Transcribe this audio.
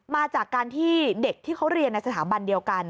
มาจากการที่เด็กที่เขาเรียนในสถาบันเดียวกัน